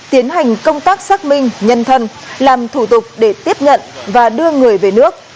tiến hành công tác xác minh nhân thân làm thủ tục để tiếp nhận và đưa người về nước